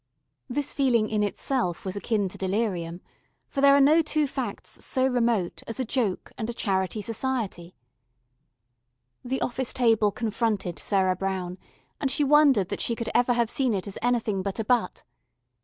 This feeling in itself was akin to delirium, for there are no two facts so remote as a Joke and a Charity Society. The office table confronted Sarah Brown, and she wondered that she could ever have seen it as anything but a butt.